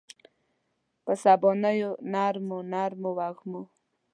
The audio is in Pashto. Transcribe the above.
په سبانیو نرمو، نرمو وږمو